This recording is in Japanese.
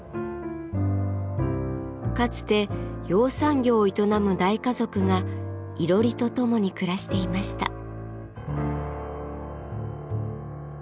かつて養蚕業を営む大家族がいろりと共に暮らしていました。